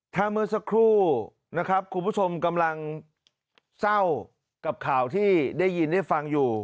ถ้าเมื่อสักครู่นะครับคุณผู้ชมกำลังเศร้ากับข่าวที่ได้ยินได้ฟังอยู่